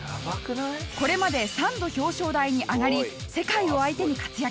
これまで３度表彰台に上がり世界を相手に活躍。